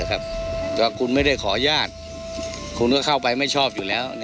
ก็คุณไม่ได้ขออนุญาตคุณก็เข้าไปไม่ชอบอยู่แล้ว